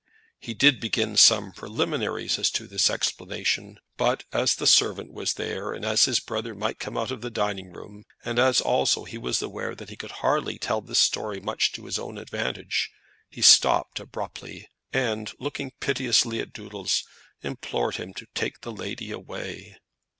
He did begin some preliminaries to this explanation; but as the servant was there, and as his brother might come out from the dining room, and as also he was aware that he could hardly tell the story much to his own advantage, he stopped abruptly, and, looking piteously at Doodles, implored him to take the lady away.